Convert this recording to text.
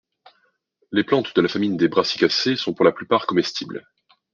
Les plantes de la famille des brassicacées sont pour la plupart comestibles.